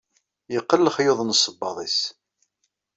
Yeqqen lexyuḍ n sebbaḍ-is